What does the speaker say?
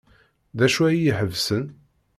D acu ay iyi-iḥebsen?